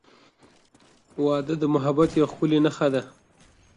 • واده د محبت یوه ښکلی نښه ده.